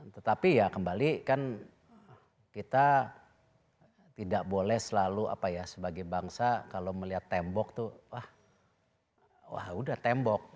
tetapi ya kembali kan kita tidak boleh selalu apa ya sebagai bangsa kalau melihat tembok tuh wah udah tembok